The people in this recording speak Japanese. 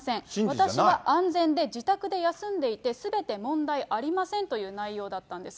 私は安全で自宅で休んでいて、すべて問題ありませんという内容だったんです。